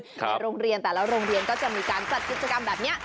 ในโรงเรียนแต่ละโรงเรียนก็จะมีการจัดกิจกรรมแบบนี้